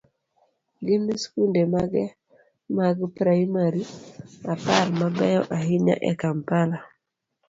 gin skunde mage mag praimari apar mabeyo ahinya e Kampala?